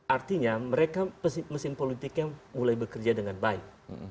artinya mereka mesin politiknya mulai bekerja dengan baik